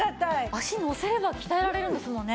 足乗せれば鍛えられるんですもんね。